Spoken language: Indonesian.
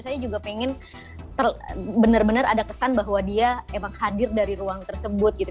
saya juga pengen benar benar ada kesan bahwa dia emang hadir dari ruang tersebut gitu